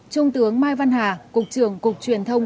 trung tướng mai văn hà cục trưởng cục truyền thông